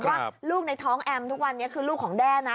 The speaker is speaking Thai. ว่าลูกในท้องแอมทุกวันนี้คือลูกของแด้นะ